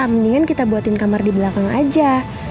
mending kita buatin kamar dibelakang aja